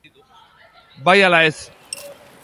Bai ala ez.